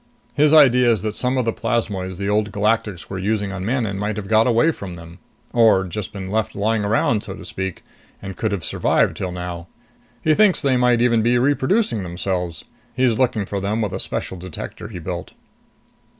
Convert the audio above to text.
His idea is that some of the plasmoids the Old Galactics were using on Manon might have got away from them, or just been left lying around, so to speak, and could have survived till now. He thinks they might even be reproducing themselves. He's looking for them with a special detector he built."